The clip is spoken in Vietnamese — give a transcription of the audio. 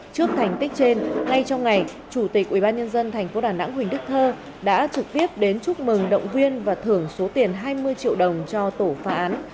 trước thành tích trên ngay trong ngày chủ tịch ubnd tp đà nẵng huỳnh đức thơ đã trực tiếp đến chúc mừng động viên và thưởng số tiền hai mươi triệu đồng cho tổ phá án